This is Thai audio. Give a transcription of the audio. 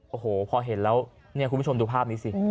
โอ้โหพอเห็นแล้วเนี่ยคุณผู้ชมดูภาพนี้สิ